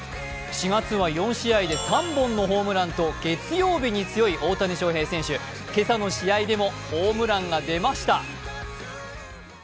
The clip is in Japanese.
４月は４試合で３本のホームランと月曜日に強い大谷翔平選手、今朝の試合でもホームランが出ました。